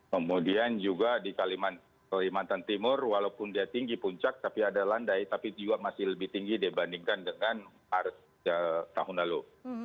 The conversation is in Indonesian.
kemudian juga di kalimantan timur walaupun dia tinggi puncak tapi ada landai tapi juga masih lebih tinggi dibandingkan dengan tahun lalu